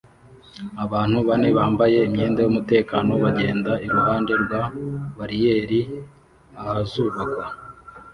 Abantu bane bambaye imyenda yumutekano bagenda iruhande rwa bariyeri ahazubakwa